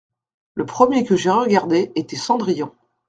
Le premier que j’ai regardé était Cendrillon.